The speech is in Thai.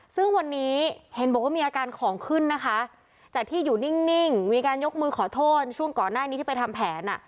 ซึ่งวันนี้เห็นบอกว่ามีอาการของขึ้นนะคะจากที่อยู่นิ่งมีการยกมือขอโทษช่วงก่อนหน้านี้ที่ไปทำแผนอ่ะ